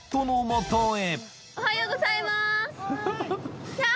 おはようございます。